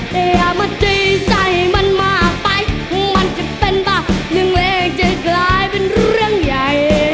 แต่อย่ามาตีใจมันมากไปมันจะเป็นป่ะหนึ่งเลขจะกลายเป็นเรื่องใหญ่